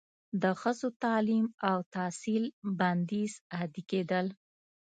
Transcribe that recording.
د ښځو تعلیم او تحصیل بندیز عادي کیدل